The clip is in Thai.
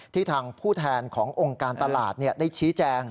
ทางผู้แทนขององค์การตลาดได้ชี้แจง